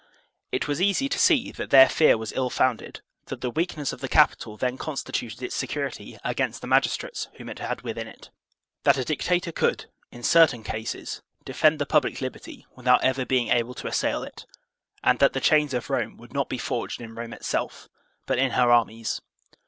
It was easy to see that their fear was ill founded; that the weakness of the capital then con stituted its security against the magistrates whom it had within it; that a dictator could, in certain cases, defend the public liberty without ever being able to assail it; and that the chains of Rome would not be forged in Rome itself, but in her armies.